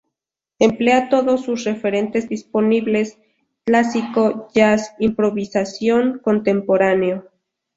Emplea todos sus referentes disponibles: clásico, jazz, improvisación, contemporáneo.